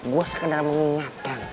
gue sekadar mengingatkan